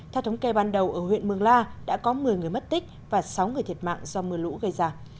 theo thống kê ban đầu ở huyện mường la đã có một mươi người mất tích và sáu người thiệt mạng do mưa lũ gây ra